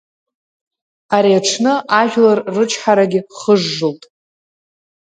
Ари аҽны ажәлар рычҳарагьы хыжжылт.